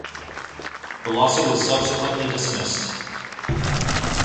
The lawsuit was subsequently dismissed.